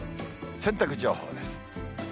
洗濯情報です。